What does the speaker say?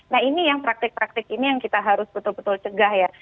nah ini yang praktik praktik ini yang kita harus betul betul cegah ya